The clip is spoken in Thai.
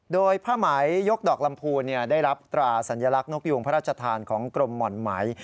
โดยผ้าไหมยกดอกลำพูนได้รับตราสัญลักษณ์นกยูงพระราชทานของกรมหม่อนไหม